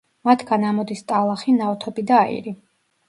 მათგან ამოდის ტალახი, ნავთობი და აირი.